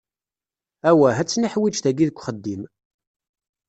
Awwah ad tt-niḥwiǧ tagi deg uxeddim.